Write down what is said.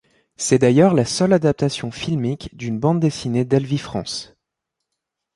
C'est d'ailleurs la seule adaptation filmique d'une bande dessinée d'Elvifrance.